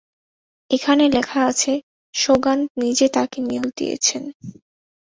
এখানে লেখা আছে সোগান নিজে তাকে নিয়োগ দিয়েছেন।